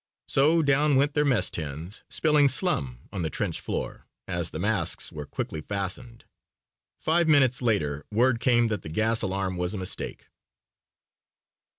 So down went their mess tins, spilling slum on the trench floor as the masks were quickly fastened. Five minutes later word came that the gas alarm was a mistake.